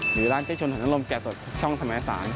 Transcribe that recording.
หรือร้านเจ๊ชนถังน้ำลมแก่สดช่องสมสาร